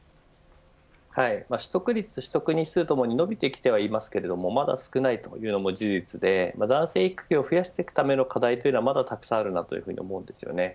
取得率、取得日数ともに伸びてきてはいますけどまだ少ないというのも事実で男性育休を増やしていくための課題点はたくさんあると思います。